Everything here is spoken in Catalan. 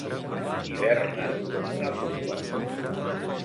Hiberna com una pupa.